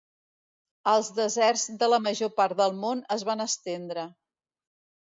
Els deserts de la major part del món es van estendre.